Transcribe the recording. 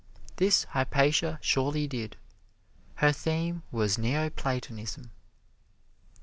This Hypatia surely did. Her theme was Neo Platonism.